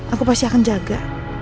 aku pasti akan jaga